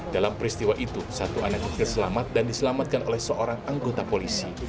dalam peristiwa itu satu anaknya terselamat dan diselamatkan oleh seorang anggota polisi